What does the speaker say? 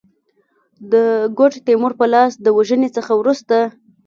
د ګوډ تیمور په لاس د وژني څخه وروسته.